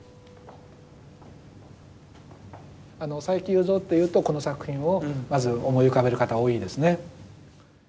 佐伯祐三っていうとこの作品をまず思い浮かべる方が多いですね。